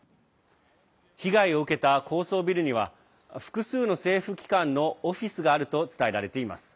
被害を受けた高層ビルには複数の政府機関のオフィスがあると伝えられています。